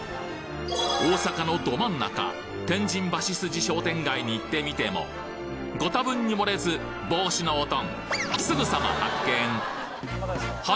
大阪のド真ん中天神橋筋商店街に行ってみてもご多分に漏れず帽子のオトンすぐさま発見！